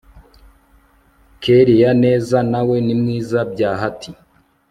kellia neza nawe nimwiza byahati